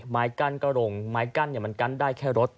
ไม้กั้นกระโรงไม้กั้นอย่างมันกั้นได้แค่รถ